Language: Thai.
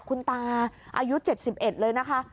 คุณตาอายุ๗๑เลยนะคะ